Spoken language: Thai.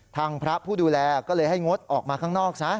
ทางพระผู้ดูแลก็เลยให้งดออกมาข้างนอกซะ